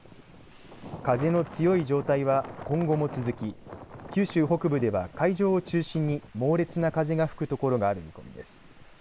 風の強い状態は今後も続き九州北部では海上を中心に猛烈な風が吹くところがある見込みです。